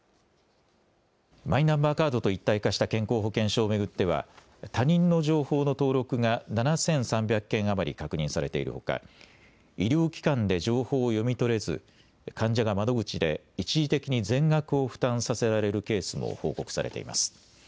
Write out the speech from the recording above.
マイナンバーカードと一体化した健康保険証を巡っては、他人の情報の登録が７３００件余り確認されているほか、医療機関で情報を読み取れず、患者が窓口で一時的に全額を負担させられるケースも報告されています。